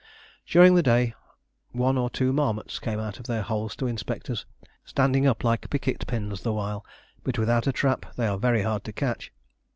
During the day one or two marmots came out of their holes to inspect us, standing up like picket pins the while, but without a trap they are very hard to catch.